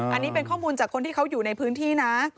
อันนี้เป็นข้อมูลจากคนที่เขาอยู่ในพื้นที่นะ